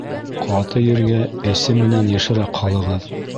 Ҡаты ергә эсе менән йышыраҡ һалығыҙ.